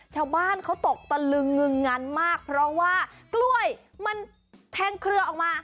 ชาวบ้านเขาตกตะลึงงึงงันมากเพราะว่ากล้วยมันแทงเครือออกมา